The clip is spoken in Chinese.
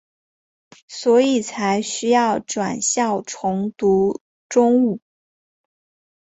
所以才需要转校重读中五。